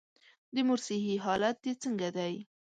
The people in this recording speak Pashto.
د مور صحي حالت دي څنګه دی؟